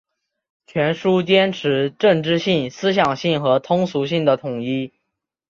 全书坚持政治性、思想性和通俗性的统一